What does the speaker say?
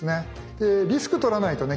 でリスクを取らないとね